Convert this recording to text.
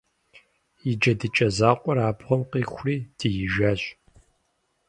И джэдыкӀэ закъуэр абгъуэм къихури диижащ.